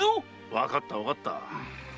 わかったわかった。